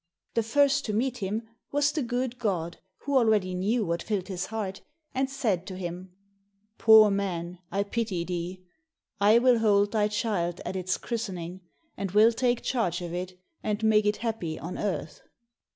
The first to meet him was the good God who already knew what filled his heart, and said to him, "Poor man, I pity thee. I will hold thy child at its christening, and will take charge of it and make it happy on earth."